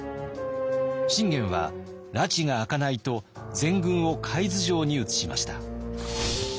信玄はらちが明かないと全軍を海津城に移しました。